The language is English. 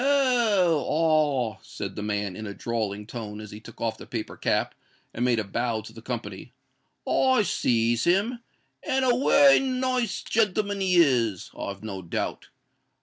"Oh! ah!" said the man, in a drawling tone, as he took off the paper cap, and made a bow to the company; "I sees him, and a wery nice gentleman he is, I've no doubt.